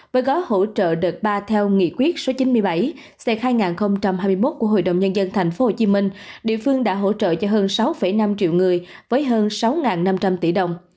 với gói hỗ trợ đợt ba theo nghị quyết số chín mươi bảy c hai nghìn hai mươi một của hội đồng nhân dân tp hcm địa phương đã hỗ trợ cho hơn sáu năm triệu người với hơn sáu năm trăm linh tỷ đồng